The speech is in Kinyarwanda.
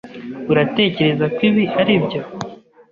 Uratekereza ko ibi aribyo?